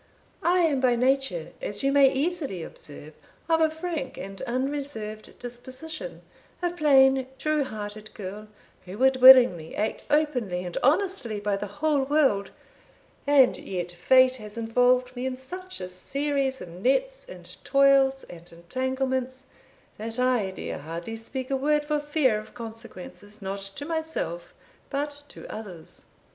I am by nature, as you may easily observe, of a frank and unreserved disposition a plain true hearted girl, who would willingly act openly and honestly by the whole world, and yet fate has involved me in such a series of nets and toils, and entanglements, that I dare hardly speak a word for fear of consequences not to myself, but to others."